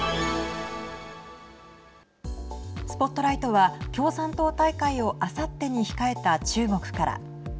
ＳＰＯＴＬＩＧＨＴは共産党大会をあさってに控えた中国から。